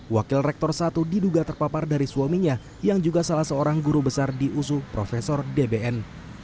wakil rektor satu diduga terpapar dari suaminya yang juga salah seorang guru besar di usu prof dbn